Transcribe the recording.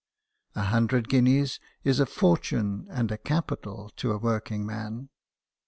A hundred guineas is a fortune and a capital to a working man.